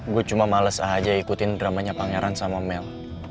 gue cuma males aja ikutin dramanya pangeran sama mel